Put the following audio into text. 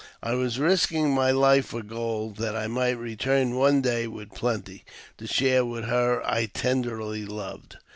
I was risking my life for gold, that I might return one day with plenty, to share with her I tenderly loved.